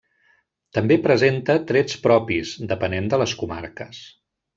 També presenta trets propis, depenent de les comarques.